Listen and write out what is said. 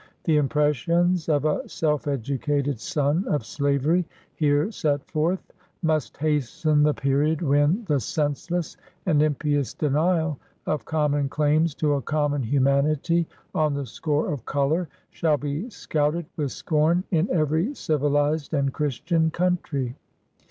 The impressions of a self educated son of slavery, here set forth, must hasten the period when the senseless and impious denial of common claims to a common humanity, on the score of color. shall be scouted with scorn in every civilized and Chris tian country.